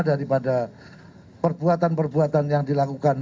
daripada perbuatan perbuatan yang dilakukan